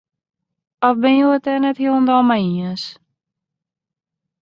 Of binne jo it dêr net hielendal mei iens?